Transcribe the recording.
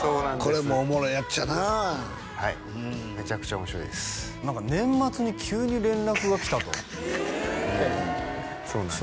これもおもろいやっちゃなはいめちゃくちゃ面白いです何か年末に急に連絡が来たとそうなんです